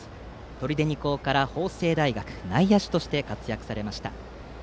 取手二高から法政大学内野手として活躍されました。